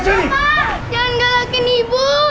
jangan galakin ibu